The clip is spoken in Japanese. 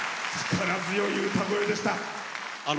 力強い歌声でした。